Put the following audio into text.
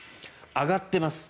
上がっています。